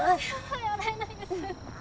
手洗えないです